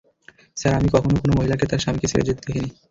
Sir, আমি কখনো কোনো মহিলাকে তার স্বামীকে ছেড়ে যেতে দেখিনি।